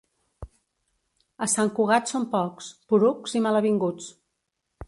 A Sant Cugat són pocs, porucs i malavinguts.